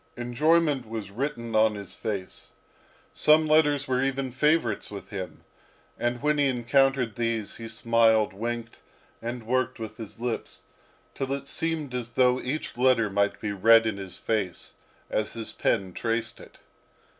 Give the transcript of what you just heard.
Enjoyment was written on his face; some letters were even favourites with him; and when he encountered these, he smiled, winked, and worked with his lips, till it seemed as though each letter might be read in his face, as his pen traced it.